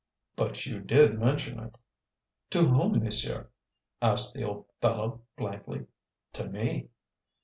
"But you did mention it." "To whom, monsieur?" asked the old fellow blankly. "To me."